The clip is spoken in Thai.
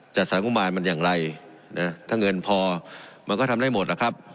จัดสรรงบมารมันอย่างไรนะถ้าเงินพอมันก็ทำได้หมดนะครับ